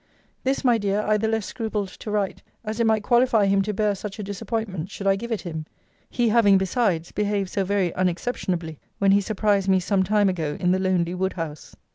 This, my dear, I the less scrupled to write, as it might qualify him to bear such a disappointment, should I give it him; he having, besides, behaved so very unexceptionably when he surprised me some time ago in the lonely wood house.